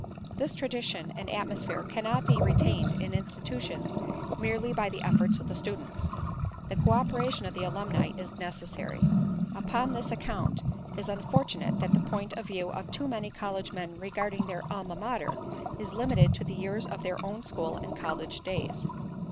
This tradition and atmosphere cannot be retained in institutions merely by the efforts of the students. The co operation of the alumni is necessary. On this account it is unfortunate that the point of view of too many college men regarding their Alma Mater is limited to the years of their own school and college days.